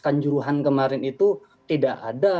kanjuruhan kemarin itu tidak ada